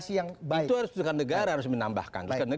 itu tugas negara harus menambahkan